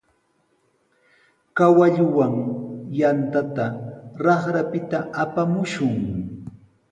Kawalluwan yantata raqrapita apamushun.